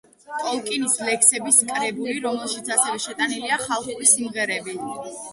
ტოლკინის ლექსების კრებული, რომელშიც ასევე შეტანილია ხალხური სიმღერები.